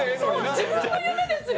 自分の夢ですよ。